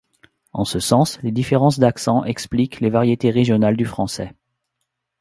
En ce sens, les différences d'accents expliquent les variétés régionales du français.